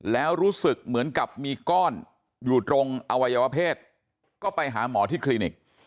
แล้วรู้สึกเหมือนกับมีก้อนอยู่ตรงอวัยวเพศก็ไปหาหมอที่คลินิก